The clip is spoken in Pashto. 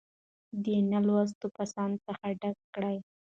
دې نـالـوسـتو کسـانـو څـخـه ډک کـړي.